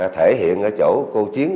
thể hiện ở chỗ cô chiến